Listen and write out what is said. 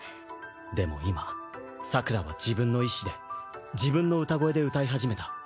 でも今さくらは自分の意志で自分の歌声で歌い始めた。